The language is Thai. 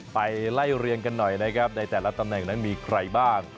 ไปไล่เรียงกันหน่อยนะครับในแต่ละตำแหน่งนั้นมีใครบ้าง